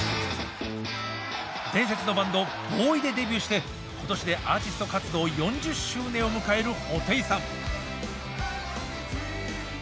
伝説のバンドＢＯＯＷＹでデビューして今年でアーティスト活動４０周年を迎える布袋さん。